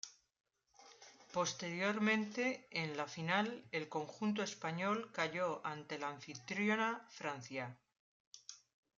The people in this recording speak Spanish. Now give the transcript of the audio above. Posteriormente, en la final, el conjunto español cayó ante la anfitriona Francia.